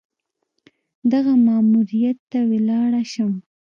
دغه ماموریت ته ولاړه شم.